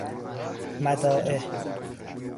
مدائح